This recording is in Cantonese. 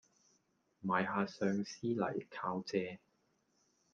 賣吓相思嚟靠借